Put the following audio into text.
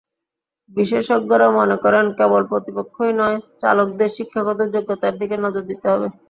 বিশেষজ্ঞরা মনে করেন, কেবল প্রশিক্ষণই নয়, চালকদের শিক্ষাগত যোগ্যতার দিকে নজর দিতে হবে।